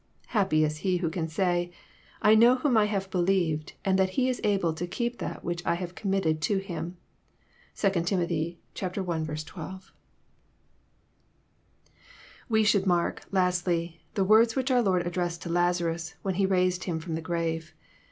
Happy is he who can say, *^ I know whom I have believed, and that He is able to keep that which I have committed to Him." (2 Tim. i. 12.) We should mark, lastly, the words which our Lord addressed to Lazarus when he raised him from, the grave.